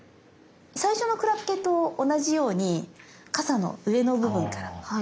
最初のクラゲと同じように傘の上の部分から。